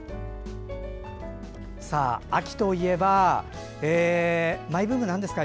秋といえばマイブームはなんですか？